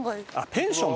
ペンション？